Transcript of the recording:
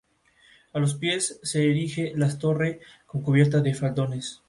A los pies se erige la torre con cubierta de faldones.